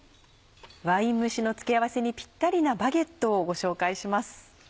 ワイン蒸しの付け合わせにぴったりなバゲットをご紹介します。